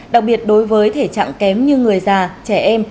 đặc biệt đối với thể trạng kém như người già trẻ em